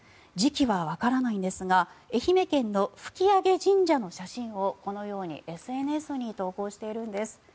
時期はわからないんですが愛媛県の吹揚神社の写真をこのようにＳＮＳに投稿しているんです。